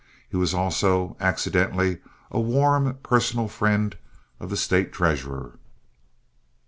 He was also, accidentally, a warm personal friend of the State treasurer.